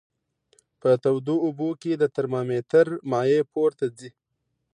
په تودو اوبو کې د ترمامتر مایع پورته ځي.